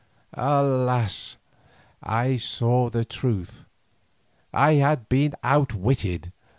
Alas! I saw the truth; I had been outwitted.